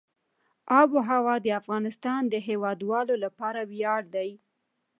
آب وهوا د افغانستان د هیوادوالو لپاره ویاړ دی.